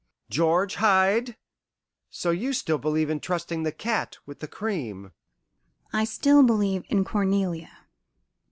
"George Hyde! So you still believe in trusting the cat with the cream?" "I still believe in Cornelia.